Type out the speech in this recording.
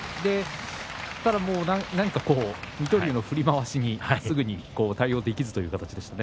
何か水戸龍の振り回しすぐに対応できずという形でした。